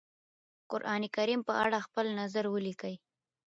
قرآنکريم په اړه خپل نظر وليکی؟